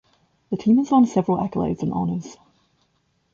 The team has won several accolades and honors.